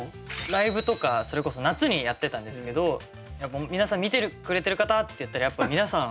ライブとかそれこそ夏にやってたんですけど皆さん「見てくれてる方！」ってやったらやっぱ皆さん。